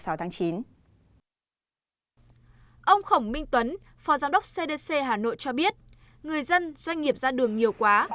ông khổng minh tuấn phó giám đốc cdc hà nội cho biết người dân doanh nghiệp ra đường nhiều quá